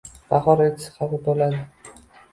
Bahor elchisi xafa boʻladi.